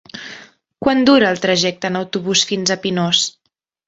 Quant dura el trajecte en autobús fins a Pinós?